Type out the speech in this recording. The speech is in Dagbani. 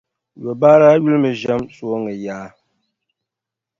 Yobaa daa lihimi ʒɛm sooŋa yaa.